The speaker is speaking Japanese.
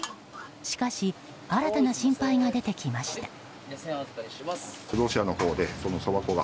しかし新たな心配が出てきました。